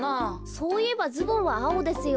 そういえばズボンはあおですよ。